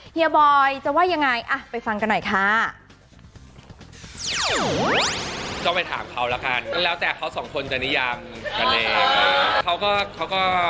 เฮียบอยจะว่ายังไงไปฟังกันหน่อยค่ะ